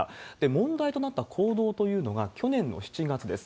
問題となった行動というのが、去年の７月です。